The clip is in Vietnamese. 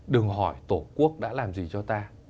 đừng hỏi tổ quốc đã làm gì cho ta